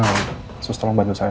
ah sus tolong bantu saya